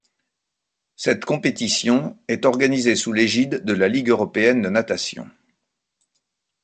Cette compétition est organisée sous l'égide de la Ligue européenne de natation.